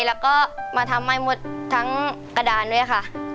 แล้วก็มาทำให้หมดทั้งกระดานด้วยค่ะ